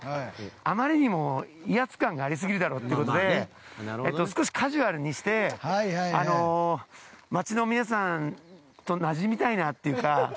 あまりにも威圧感がありすぎるだろってことで少しカジュアルにして町の皆さんとなじみたいなというか。